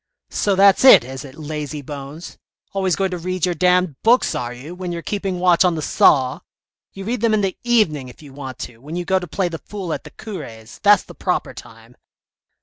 " So that's it, is it, lazy bones ! always going to read your damned books are you, when you're keeping watch on the saw ? You read them in the evening if you want to, when you go to play the fool at the cure's, that's the proper time."